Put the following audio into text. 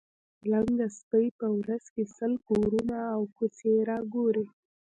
لنګه سپۍ په ورځ کې سل کورونه او کوڅې را ګوري.